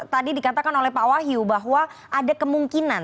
tadi dikatakan oleh pak wahyu bahwa ada kemungkinan